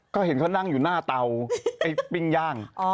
ก็เห็นเขานั่งอยู่หน้าเตาไอ้ปิ้งย่าง